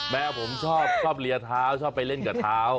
แม่ผมชอบเลียเท้าชอบไปเล่นกับเท้า